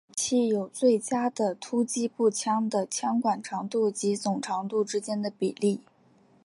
这种武器有最佳的突击步枪的枪管长度及总长度之间的比例。